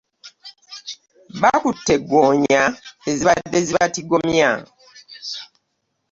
Bakutte goonya ezibadde zibatigomya.